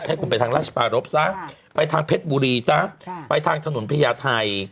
ให้คุณไปทางราชปารพซะไปทางเพชรบุรีซะไปทางถนนพญาไทย